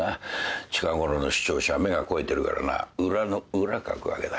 近ごろの視聴者は目が肥えてるからな裏の裏かくわけだ。